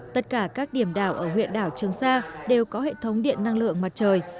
tất cả các điểm đảo ở huyện đảo trường sa đều có hệ thống điện năng lượng mặt trời